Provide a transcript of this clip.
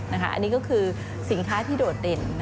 อันนี้ก็คือสินค้าที่โดดเด่น